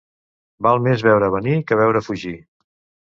Val més veure venir que veure fugir.